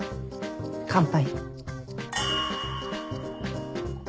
乾杯。